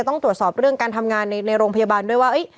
ต้องตรวจสอบเรื่องการทำงานในโรงพยาบาลด้วยว่า